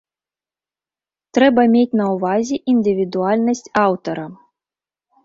Трэба мець на ўвазе індывідуальнасць аўтара.